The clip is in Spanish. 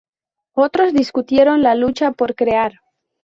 Otros discutieron la lucha por crear.